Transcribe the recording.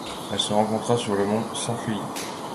Elle se rencontre sur le mont San Felipe.